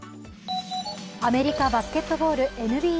アメリカ・バスケットボールＮＢＡ。